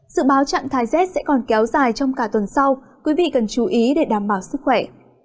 dự báo trạng thái z sẽ còn kéo dài trong cả tuần sau quý vị cần chú ý để đảm bảo sức khỏe